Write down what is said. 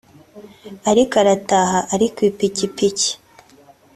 ariko aratahuka ari kw'ipikipiki